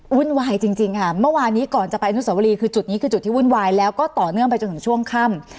วุ่นวายจริงค่ะเมื่อวานนี้ก่อนจะไปอนุสวรีคือจุดนี้คือจุดที่วุ่นวายแล้วก็ต่อเนื่องไปจนถึงช่วงค่ำ